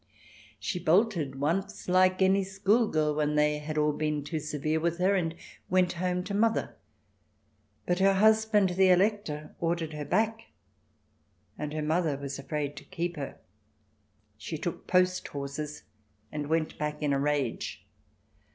She bolted once like any schoolgirl when they had all been too severe with her, and went home to her mother. But her husband, the Elector, ordered her back, and her mother was afraid to keep her. She took post horses, and went back in a rage.